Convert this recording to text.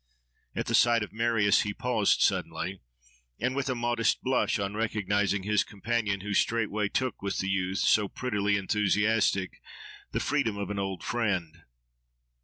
At the sight of Marius he paused suddenly, and with a modest blush on recognising his companion, who straightway took with the youth, so prettily enthusiastic, the freedom of an old friend.